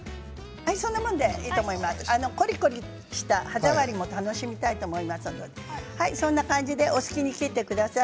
コリコリした歯触りも楽しみたいと思いますのでそんな感じでお好きに切ってください。